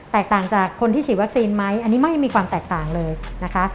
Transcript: ต่างจากคนที่ฉีดวัคซีนไหมอันนี้ไม่มีความแตกต่างเลยนะคะ